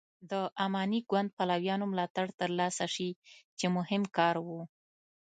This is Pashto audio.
د اماني ګوند پلویانو ملاتړ تر لاسه شي چې مهم کار و.